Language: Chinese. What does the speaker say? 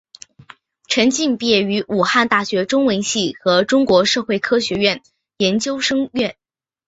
陈晋毕业于武汉大学中文系和中国社会科学院研究生院。